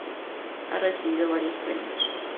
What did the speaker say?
Ha recibido varios premios.